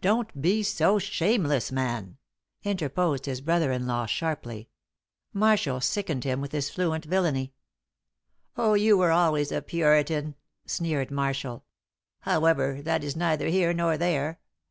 "Don't be so shameless, man!" interposed his brother in law, sharply. Marshall sickened him with his fluent villainy. "Oh, you were always a Puritan," sneered Marshall. "However, that is neither here nor there.